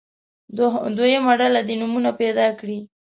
دویمه ډله دې نومونه پیدا کړي.